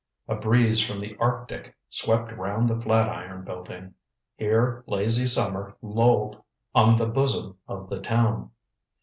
A breeze from the Arctic swept round the Flatiron building. Here lazy summer lolled on the bosom of the town.